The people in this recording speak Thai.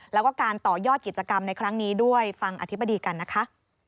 แล้วก็การต่อยอดกิจกรรมในครั้งนี้ด้วยฟังอธิบดีกันนะคะ